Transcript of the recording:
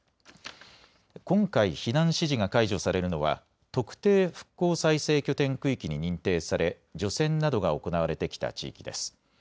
今回、避難指示が解除されるのは特定復興再生拠点区域に認定され除染などが行われてきた地域です。